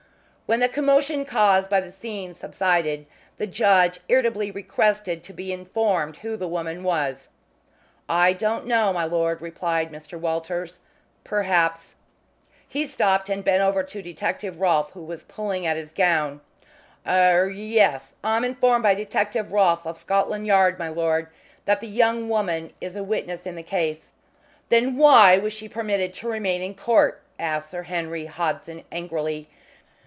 When the commotion caused by the scene subsided, the judge irritably requested to be informed who the woman was. "I don't know, my lord," replied Mr. Walters. "Perhaps " He stopped and bent over to Detective Rolfe, who was pulling at his gown. "Er yes, I'm informed by Detective Rolfe of Scotland Yard, my lord, that the young woman is a witness in the case." "Then why was she permitted to remain in court?" asked Sir Henry Hodson angrily.